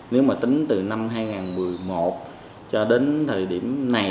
nếu mà tính từ năm hai nghìn một mươi một cho đến thời điểm này